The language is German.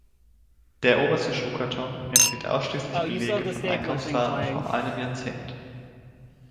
Der oberste Schuhkarton enthielt ausschließlich Belege von Einkaufsfahrten vor einem Jahrzehnt.